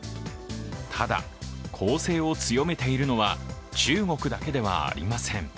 ただ、攻勢を強めているのは中国だけではありません。